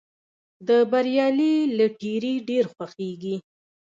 د بریالي لټیري ډېر خوښیږي.